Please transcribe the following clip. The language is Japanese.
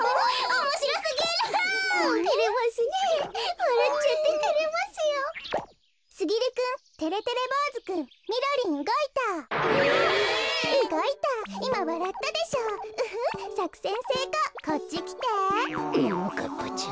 ももかっぱちゃん